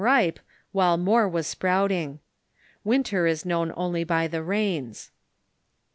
I ft', "'I ripe, while more was sprouting. Winter is known only by the rains.